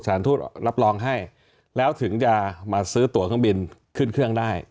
ทูตรับรองให้แล้วถึงจะมาซื้อตัวเครื่องบินขึ้นเครื่องได้